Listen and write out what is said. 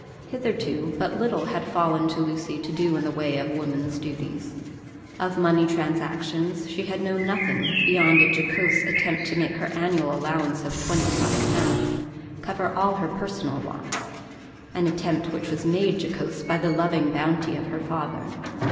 Hitherto but little had fallen to Lucy to do in the way of woman's duties. Of money transactions she had known nothing, beyond a jocose attempt to make her annual allowance of twenty five pounds cover all her personal wants an attempt which was made jocose by the loving bounty of her father.